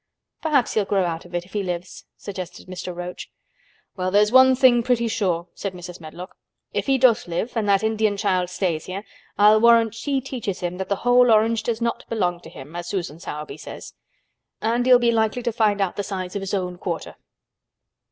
"Perhaps he'll grow out of it, if he lives," suggested Mr. Roach. "Well, there's one thing pretty sure," said Mrs. Medlock. "If he does live and that Indian child stays here I'll warrant she teaches him that the whole orange does not belong to him, as Susan Sowerby says. And he'll be likely to find out the size of his own quarter."